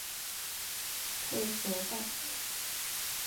佩和代。